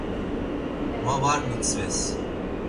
Ma var mitzves.